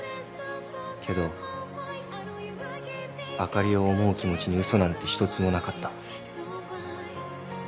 けどあかりを思う気持ちに嘘なんて一つもなかった。